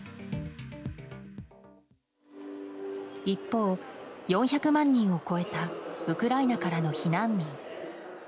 一方、４００万人を超えたウクライナからの避難民。